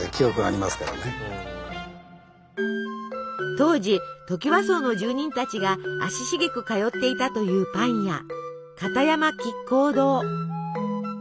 当時トキワ荘の住人たちが足しげく通っていたというパン屋片山菊香堂。